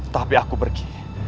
tapi aku pergi